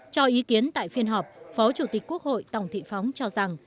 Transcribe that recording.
cho ý kiến tại phiên họp phó chủ tịch quốc hội tòng thị phóng cho rằng